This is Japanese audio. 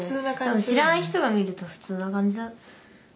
多分知らない人が見るとふつうな感じだ。